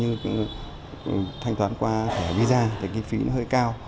ví dụ như thanh toán qua visa thì kinh phí hơi cao